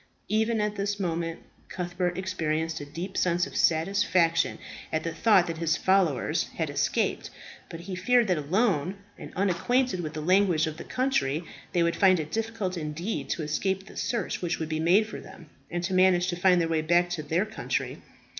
Even at this moment Cuthbert experienced a deep sense of satisfaction at the thought that his followers had escaped. But he feared that alone, and unacquainted with the language of the country, they would find it difficult indeed to escape the search which would be made for them, and to manage to find their way back to their country.